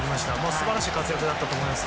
素晴らしい活躍だったと思います。